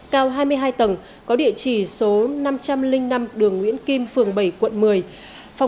cao hai mươi hai tầng có địa chỉ số năm trăm linh năm đường nguyễn kim phường bảy quận một mươi